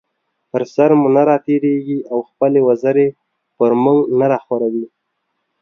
پر سر مو نه راتېريږي او خپلې وزرې پر مونږ نه راخوروي